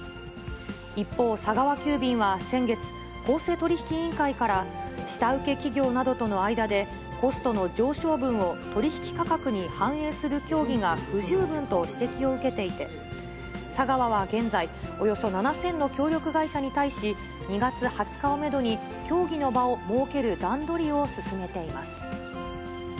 一方、佐川急便は先月、公正取引委員会から、下請け企業などとの間でコストの上昇分を取り引き価格に反映する協議が不十分と指摘を受けていて、佐川は現在、およそ７０００の協力会社に対し、２月２０日をメドに、協議の場を設ける段取りを進めています。